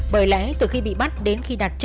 bởi lẽ từ khi bị bắt đến khi đặt trang trí